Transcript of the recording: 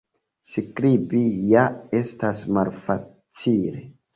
Skribi ja estas malfacile.